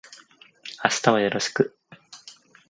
明日はよろしく